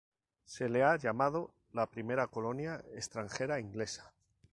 Se le ha llamado la primera colonia extranjera inglesa.